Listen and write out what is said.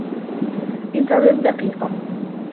انتظر دقيقة